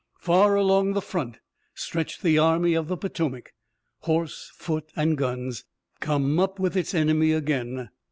Far along the front stretched the Army of the Potomac, horse, foot and guns, come up with its enemy again.